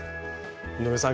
井上さん